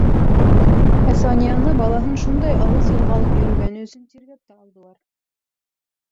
Ә Санияны балаһын шундай алыҫ юлға алып йөрөгәне өсөн тиргәп тә алдылар.